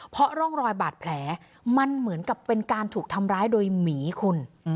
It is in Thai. เพราะร่องรอยบาดแผลมันเหมือนกับเป็นการถูกทำร้ายโดยหมีคุณ